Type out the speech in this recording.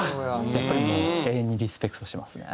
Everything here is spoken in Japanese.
やっぱりもう永遠にリスペクトしてますね。